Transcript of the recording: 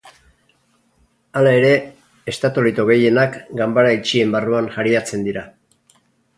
Hala ere, estatolito gehienak ganbara itxien barruan jariatzen dira.